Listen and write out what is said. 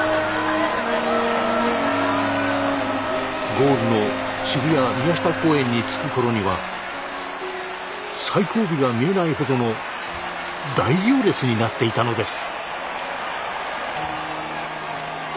ゴールの渋谷・宮下公園に着く頃には最後尾が見えないほどの大行列になっていたのです。